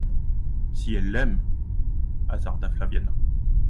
Si elle l'aime …» hasarda Flaviana.